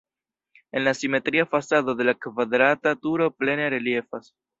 En la simetria fasado la kvadrata turo plene reliefas.